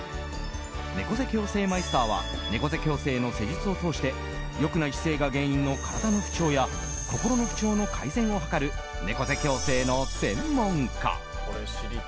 猫背矯正マイスターは猫背矯正の施術を通して良くない姿勢が原因の体の不調や心の不調の改善を図る猫背矯正の専門家。